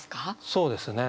そうですね。